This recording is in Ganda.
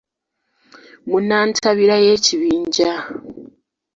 Mu nnantabira y’ekibinja